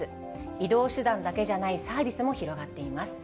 移動手段だけじゃないサービスも広がっています。